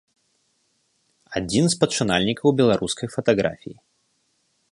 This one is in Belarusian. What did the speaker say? Адзін з пачынальнікаў беларускай фатаграфіі.